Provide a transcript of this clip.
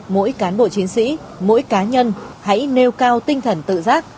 mỗi cán bộ chiến sĩ mỗi cá nhân hãy nêu cao tinh thần tự giác